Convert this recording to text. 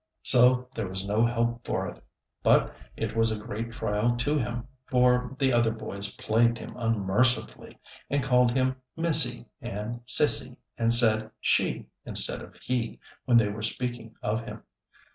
So there was no help for it, but it was a great trial to him, for the other boys plagued him unmercifully, and called him "missy," and "sissy," and said "she" instead of "he" when they were speaking of him.